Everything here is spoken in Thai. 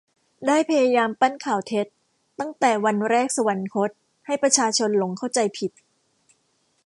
ได้พยายามปั้นข่าวเท็จตั้งแต่วันแรกสวรรคต ให้ประชาชนหลงเข้าใจผิด